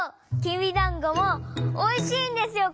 きびだんごもおいしいんですよ